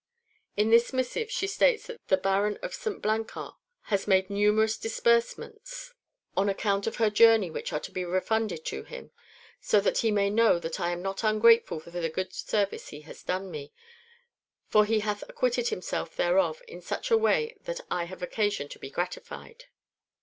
In this missive she states that the Baron of St. Blancard has made numerous disbursements on account of her journey which are to be refunded to him, "so that he may know that I am not ungrateful for the good service he has done me, for he hath acquitted himself thereof in such a way that I have occasion to be gratified."